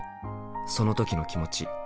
その時の気持ち。